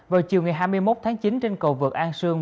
vào chiều ngày hai mươi một tháng chín trên cầu vượt an sương